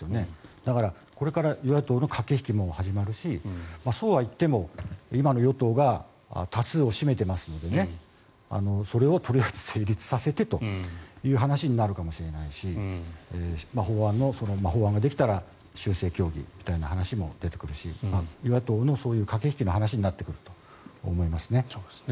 だから、これから与野党の駆け引きも始まるしそうはいっても、今の与党が多数を占めていますのでそれを、とりあえず成立させてという話になるかもしれないし法案ができたら修正協議みたいな話も出てくるし与野党の駆け引きに話になってくると思いますね。